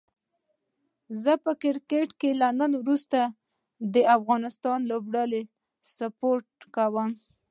زه په کرکټ کې له نن وروسته د افغانستان لوبډله سپوټ کووم